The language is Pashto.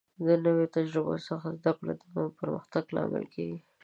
د نورو د تجربو څخه زده کړه د پرمختګ لامل کیږي.